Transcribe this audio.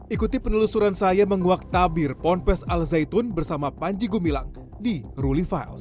ikuti penelusuran saya menguak tabir pond pes al zaitun bersama panji gumilang di ruli files